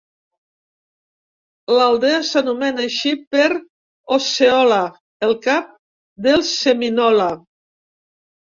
L'aldea s'anomena així per Osceola, el cap dels seminola.